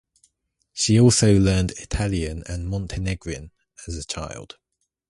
She also learned Italian and Montenegrin as a child.